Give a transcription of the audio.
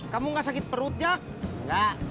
kamu ga sakit perut jack